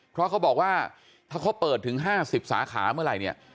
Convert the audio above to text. เพราะเขาบอกว่าถ้าเขาเปิดถึง๕๐สาขาเมื่อไหร่เนี่ย